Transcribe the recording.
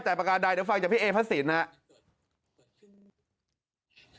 แต่ประการใดถ้าฟังจากพี่เอ๊พัศธินภาษาอาชีพนะครับ